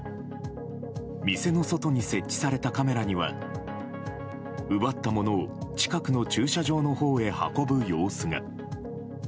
店の外に設置されたカメラには奪ったものを近くの駐車場のほうへ運ぶ様子が。